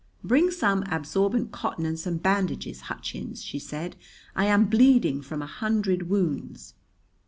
"Bring some absorbent cotton and some bandages, Hutchins," she said. "I am bleeding from a hundred wounds.